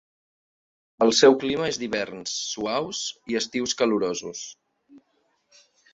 El seu clima és d'hiverns suaus i estius calorosos.